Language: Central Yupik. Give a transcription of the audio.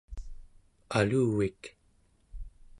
aluvik